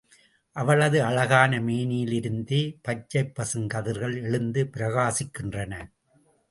அவளது அழகான மேனியிலிருந்தே பச்சைப் பசுங் கதிர்கள் எழுந்து பிரகாசிக்கின்றன.